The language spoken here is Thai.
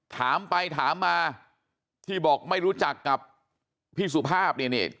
ถามไปถามมาที่บอกไม่รู้จักกับพี่สุภาพเนี่ย